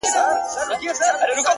ژوندی انسان و حرکت ته حرکت کوي’